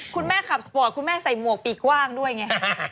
คุณแม่ขับสปอร์ตคุณแม่ใส่หมวกปีกกว้างด้วยไง